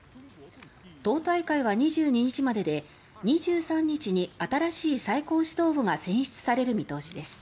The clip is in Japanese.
党大会は２２日までで２３日に新しい最高指導部が選出される見通しです。